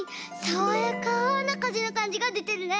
さわやかなかぜのかんじがでてるね。